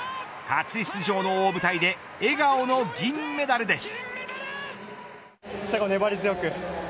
初出場の大舞台で笑顔の銀メダルです。